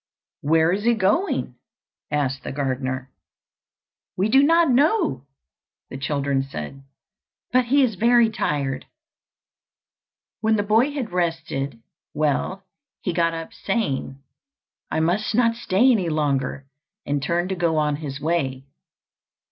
"Where is he going?" asked the gardener. "We do not know," the children said; "but he is very tired." When the boy had rested well, he got up saying, "I must not stay any longer," and turned to go on his way.